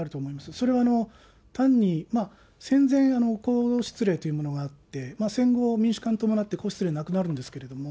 それは単に、戦前、皇室れいというものがあって、戦後民主化に伴って、皇室れいなくなるんですけれども、